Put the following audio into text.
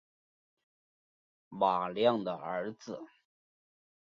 马亮的儿子